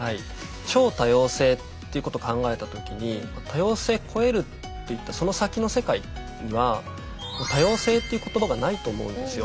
「超多様性」っていうこと考えた時にまあ多様性超えるっていったその先の世界には「多様性」っていう言葉がないと思うんですよ。